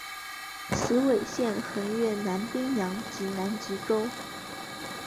此纬线横越南冰洋及南极洲。